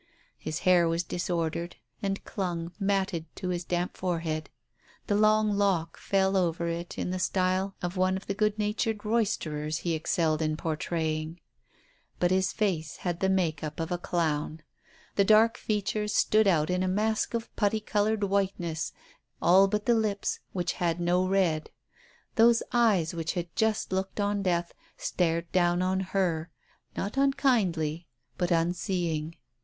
His hair was disordered, and clung, matted, to his damp forehead; the long lock fell over it in the style of one of the good natured roysterers he excelled in portraying. But his face had the make up of a Digitized by Google 70 TALES OF THE UNEASY clown ; the dark features stood out in a mask of putty coloured whiteness, all but the lips, which had no red. Those eyes which had just looked on death, stared down on her, not unkindly, but unseeing.